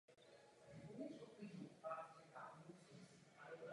Vzhledem k tehdejším poměrům šlo ale jen o teoretickou možnost.